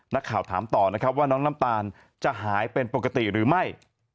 นักข่าวถามต่อนะครับว่าน้องน้ำตาลจะหายเป็นปกติหรือไม่